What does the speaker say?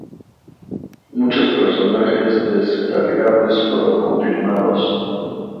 Muchos personajes descargables fueron confirmados.